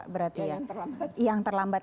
berarti ya yang terlambat yang terlambat